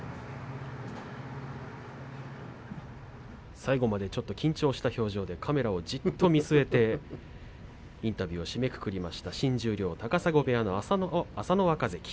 最後まで緊張した表情でカメラをじっと見つめてインタビューを締めくくりました新十両、朝乃若関。